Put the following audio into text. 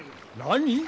何？